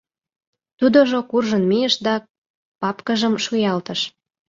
Тудыжо куржын мийыш да папкыжым шуялтыш.